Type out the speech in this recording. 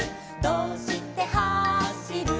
「どうしてはしる」